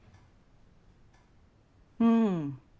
うん。